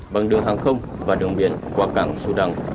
bằng đường hàng không và đường biển qua cảng sudan